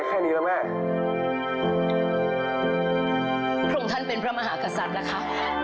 พระองค์ท่านเป็นพระมหากษัตริย์นะคะ